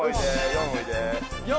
４おいで４！